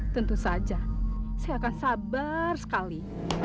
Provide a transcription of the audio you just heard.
tentu saja saya akan sabar sekali